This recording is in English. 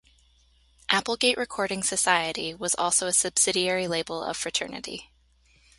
Applegate Recording Society was also a subsidiary label of Fraternity.